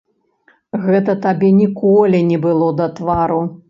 Гэта табе ніколі не было да твару.